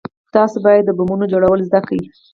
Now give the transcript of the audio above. تاسې بايد د بمونو جوړول زده كئ.